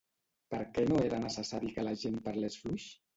Per què no era necessari que la gent parlés fluix?